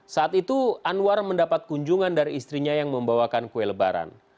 saat itu anwar mendapat kunjungan dari istrinya yang membawakan kue lebaran